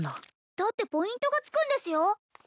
だってポイントがつくんですよ